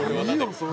それ。